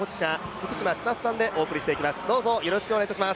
福島千里さんでお送りしていきます。